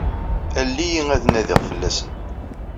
Alel-iyi ad nadiɣ fell-asen.